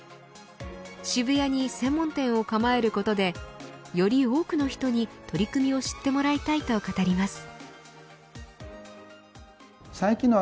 渋谷に専門店を構えることでより多くの人に取り組みを知ってもらいたいと語ります。